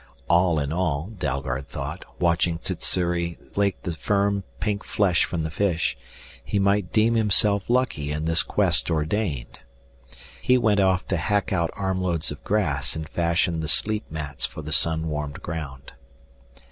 All in all, Dalgard thought, watching Sssuri flake the firm pink flesh from the fish, he might deem himself lucky and this quest ordained. He went off to hack out armloads of grass and fashion the sleep mats for the sun warmed ground.